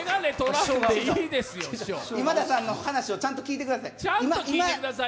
今田さんの話をちゃんと聞いてください。